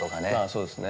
そうですね。